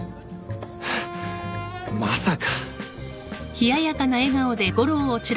まさか。